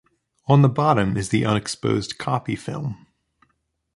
On the bottom is the unexposed copy film.